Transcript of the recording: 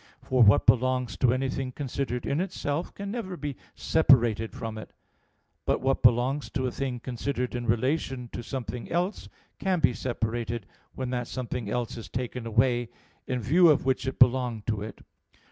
For what belongs to anything considered in itself can never be separated from it; but what belongs to a thing, considered in relation to something else, can be separated, when that something else is taken away, in view of which it belonged to it.